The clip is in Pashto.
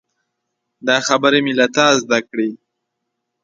دا خبرې مې له تا زده کړي.